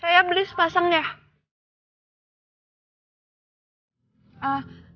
saya beli sepasang ya